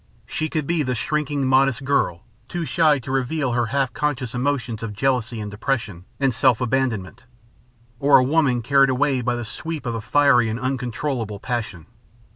She could be the shrinking, modest girl, too shy to reveal her half unconscious emotions of jealousy and depression and self abandonment, or a woman carried away by the sweep of a fiery and uncontrollable passion.